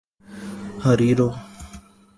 ہریرو